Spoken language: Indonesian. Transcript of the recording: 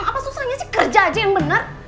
apa susahnya sih kerja aja yang benar